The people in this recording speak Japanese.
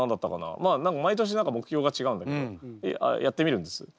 まあ毎年何か目標が違うんだけどやってみるんです。